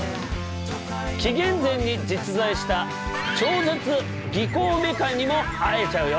紀元前に実在した超絶技巧メカにも会えちゃうよ！